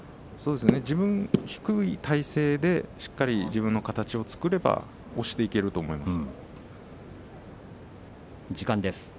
自分は低い体勢で自分の体勢を作れば押していけると思います。